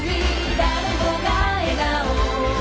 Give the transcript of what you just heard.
「誰もが笑顔」